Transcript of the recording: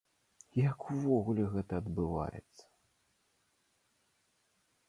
Як увогуле гэта адбываецца?